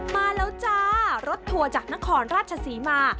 มาแล้วจ้ารถทัวร์จากนครราชศรีมา